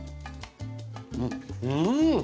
うん！